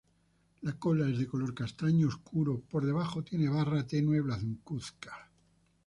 La cola es de color castaño oscuro, por debajo tiene barra tenue blancuzca.